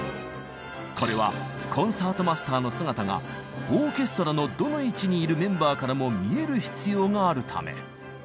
これはコンサートマスターの姿がオーケストラのどの位置にいるメンバーからも見える必要があるため。